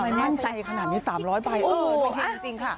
ไม่มั่นใจขนาดนี้๓๐๐ใบไม่เห็นจริงค่ะ